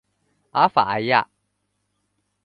阿法埃娅。